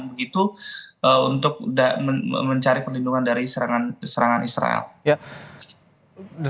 begitu untuk mencari perlindungan dari serangan israel